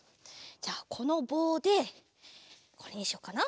じゃあこのぼうでこれにしようかな。